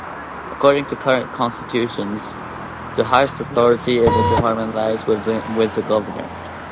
According to current Constitution, the highest authority in the department lies with the governor.